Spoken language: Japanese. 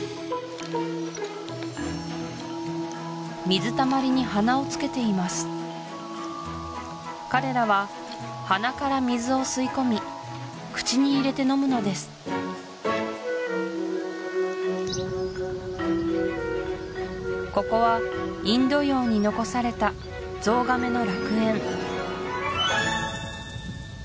水たまりに鼻をつけています彼らは鼻から水を吸い込み口に入れて飲むのですここはインド洋に残されたゾウガメの楽園